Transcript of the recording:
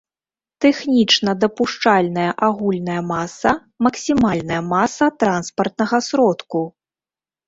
Тэхнічна дапушчальная агульная маса — максімальная маса транспартнага сродку